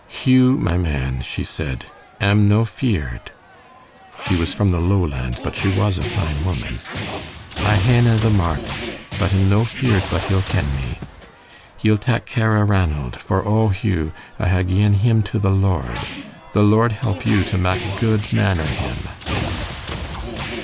'Hugh, my man,' she said, 'am no feared' (she was from the Lowlands, but she was a fine woman); 'I haena the marks, but 'm no feared but He'll ken me. Ye'll tak' care o' Ranald, for, oh, Hugh! I ha' gi'en him to the Lord. The Lord help you to mak' a guid man o' him.'"